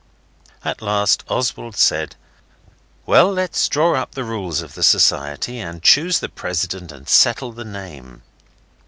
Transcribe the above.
At last Oswald said, 'Well, let's draw up the rules of the society, and choose the president and settle the name.